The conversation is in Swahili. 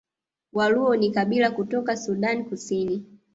Waluo ni kabila kutoka Sudan Kusini